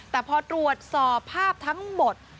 แต่พอตรวจสอบภาพทั้งหมด